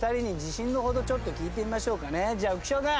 じゃあ浮所君。